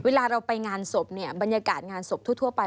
เวลาเราไปงานศพเนี่ยบรรยากาศงานศพทั่วไป